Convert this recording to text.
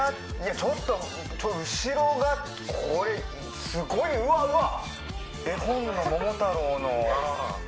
ちょっと後ろがこれすごいうわうわっ！